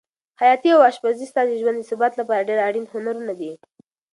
خیاطي او اشپزي ستا د ژوند د ثبات لپاره ډېر اړین هنرونه دي.